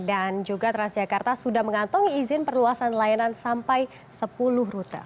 dan juga transjakarta sudah mengantung izin perluasan layanan sampai sepuluh rute